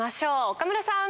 岡村さん。